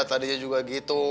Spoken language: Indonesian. iya tadinya juga gitu